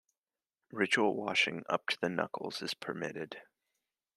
Ritual washing up to the knuckles is permitted.